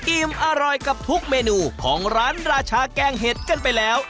อิ่มอร่อยกับทุกเมนูของร้านราชาแกงเห็ดกันไปแล้ว